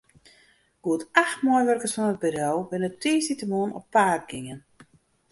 Goed acht meiwurkers fan it bedriuw binne tiisdeitemoarn op paad gien.